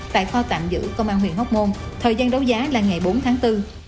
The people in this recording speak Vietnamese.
tại kho tạm giữ công an huyện hóc môn thời gian đấu giá là ngày bốn tháng bốn